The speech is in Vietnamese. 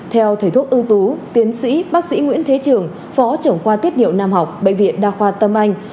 theo thầy thuốc ưu tú tiến sĩ bác sĩ nguyễn thế trường phó trưởng khoa tiết niệu nam học bệnh viện đa khoa tâm anh